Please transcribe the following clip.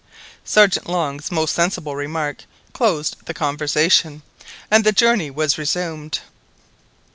Sergeant Long's most sensible remark closed the conversation, and the journey was resumed.